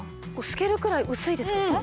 透けるくらい薄いですけどね。